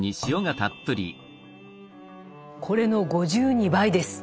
これの５２倍です！